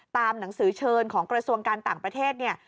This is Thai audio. ตามหนังสือเชิญของกระทรวงการต่างประเทศเนี่ย